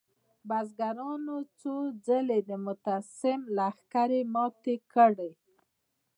بزګرانو څو ځلې د مستعصم لښکرې ماتې کړې.